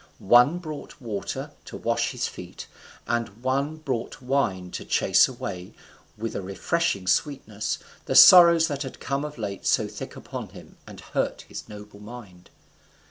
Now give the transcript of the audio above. One brought water to wash his feet, and one brought wine to chase away, with a refreshing sweetness, the sorrows that had come of late so thick upon him, and hurt his noble mind.